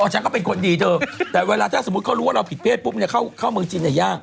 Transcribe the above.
ฉันก็เป็นคนดีเธอแต่เวลาถ้าสมมุติเขารู้ว่าเราผิดเพศปุ๊บเนี่ยเข้าเมืองจีนเนี่ยยาก